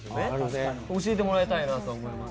教えてもらいたいなと思います。